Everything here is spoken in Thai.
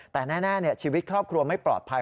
แต่แน่ชีวิตครอบครัวไม่ปลอดภัย